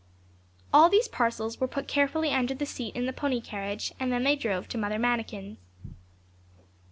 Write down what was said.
All these parcels were put carefully under the seat in the pony carriage, and then they drove to Mother Manikin's.